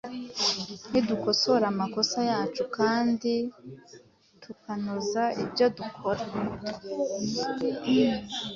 Nidukosora amakosa yacu kandi tukanoza ibyo dukora.